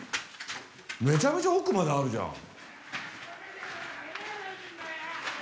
めちゃめちゃ奥まであるじゃん。